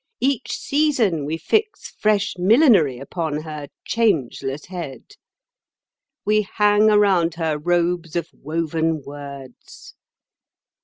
Each season we fix fresh millinery upon her changeless head. We hang around her robes of woven words.